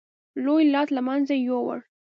لوی لاټ له منځه یووړ.